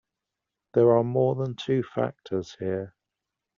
There are more than two factors here.